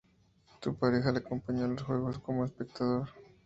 Su pareja le acompañó a los juegos como espectador.